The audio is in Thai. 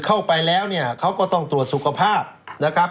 เข้าไปแล้วเนี่ยเขาก็ต้องตรวจสุขภาพนะครับ